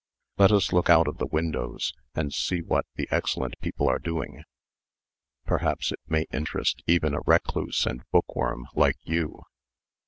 Let us look out of the windows, and see what the excellent people are doing. Perhaps it may interest even a recluse and bookworm like you."